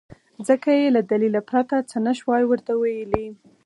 ځکه يې له دليله پرته څه نه شوای ورته ويلی.